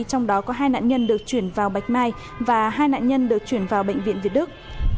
trong đó có hai nạn nhân được chuyển vào bạch mai và hai nạn nhân được chuyển vào bệnh viện việt đức